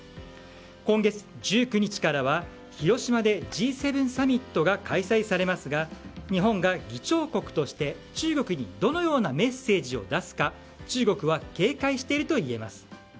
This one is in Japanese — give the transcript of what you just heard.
今月１９日からは広島でＧ７サミットが開催されますが日本が議長国として、中国にどのようなメッセージを出すか中国は警戒しているといえます。